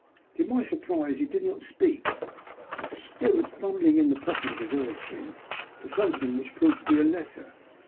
To my surprise, he did not speak, but stood fumbling in the pocket of his oilskin for something, which proved to be a letter.